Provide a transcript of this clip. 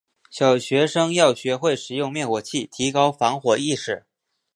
小学生要学会使用灭火器，提高防火意识。